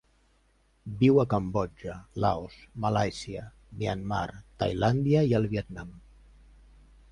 Viu a Cambodja, Laos, Malàisia, Myanmar, Tailàndia i el Vietnam.